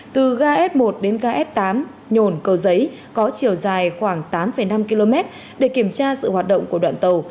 từ ga s một đến ga s tám nhồn cầu giấy có chiều dài khoảng tám năm km để kiểm tra sự hoạt động của đoạn tàu